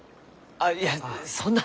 あいやそんな。